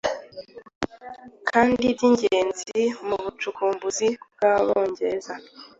kandi byingenzi mu bucukumbuzi bwAbongereza